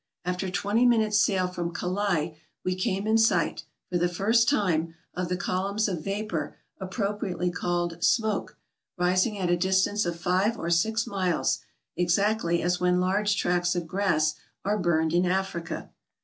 After twenty minutes' sail from Kalai we came in sight, for the first time, of the columns of vapor appropri ately called '' smoke, '' rising at a distance of five or six 386 TRAVELERS AND EXPLORERS miles, exactly as when large tracts of grass are burned in Africa.